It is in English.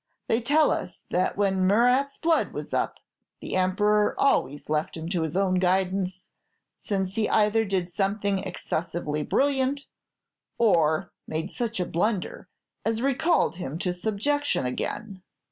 They tell us that when Murat's blood was up, the Emperor always left him to his own guidance, since he either did something excessively brilliant, or made such a blunder as recalled him to subjection again.